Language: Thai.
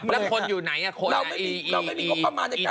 แล้วคนอยู่ไหนอ่ะอีตาเดียวอยู่ไหนอ่ะ